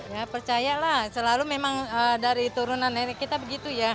ya percaya lah selalu memang dari turunan kita begitu ya